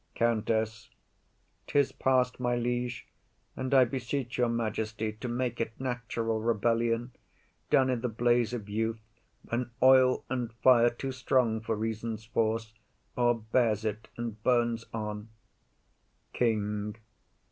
COUNTESS. 'Tis past, my liege, And I beseech your majesty to make it Natural rebellion, done i' the blaze of youth, When oil and fire, too strong for reason's force, O'erbears it and burns on. KING.